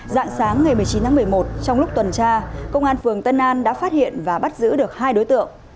dạng sáng ngày một mươi chín tháng một mươi một trong lúc tuần tra công an phường tân an đã phát hiện và bắt giữ được hai đối tượng